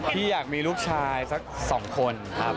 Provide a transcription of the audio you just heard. พี่อยากมีลูกชายสัก๒คนครับ